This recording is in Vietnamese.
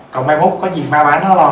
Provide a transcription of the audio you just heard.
còn mai mốt có gì ma má nó lo